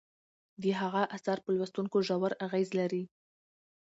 د هغه اثار په لوستونکو ژور اغیز لري.